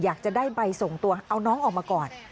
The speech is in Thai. อยากจะได้ใบส่งตัวเอาน้องออกมาก่อน